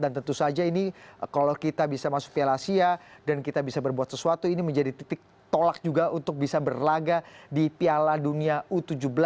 dan tentu saja ini kalau kita bisa masuk biala asia dan kita bisa berbuat sesuatu ini menjadi titik tolak juga untuk bisa berlaga di biala dunia u tujuh belas